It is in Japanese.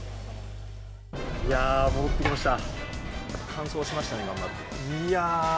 いやー、戻ってきました。